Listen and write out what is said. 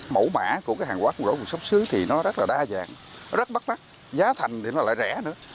mẫu mã của cái hàng hóa không rõ nguồn xuất xứ thì nó rất là đa dạng nó rất bắt bắt giá thành thì nó lại rẻ nữa